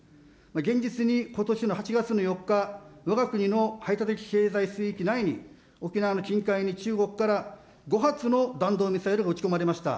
現実にことしの８月の４日、わが国の排他的経済水域内に沖縄の近海に中国から５発の弾道ミサイルが撃ち込まれました。